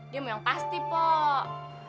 dia mau yang pasti pak